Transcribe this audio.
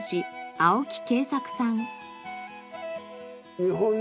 青木啓作さん。